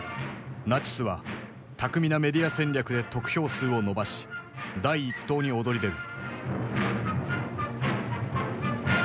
ナチスは巧みなメディア戦略で得票数を伸ばし第一党に躍り出る。